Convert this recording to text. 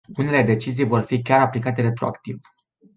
Unele decizii vor fi chiar aplicate retroactiv.